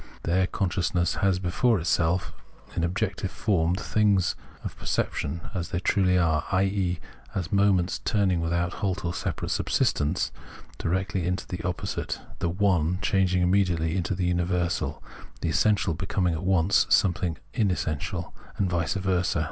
There conscious ness has before itself in objective form the things of perception as they truly are, i.e. as moments turning, without halt or separate subsistence, directly into their opposite, the "one" changing immediately into the universal, the essential becoming at once something unessential, and vice versa.